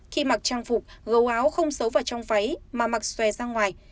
khi mặc trang phục gấu áo không xấu vào trong pháy mà mặc xòe ra ngoài